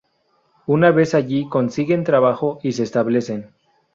Una vez allí consiguen trabajo y se establecen.